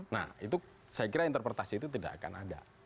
nah itu saya kira interpretasi itu tidak akan ada